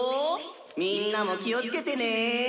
みんなも気をつけてね」。